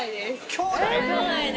きょうだい？